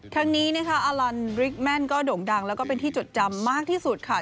ทั้งนี้อะลันด์บริกมันก็โด่งดังและเป็นที่จดจำมากที่สุดค่ะ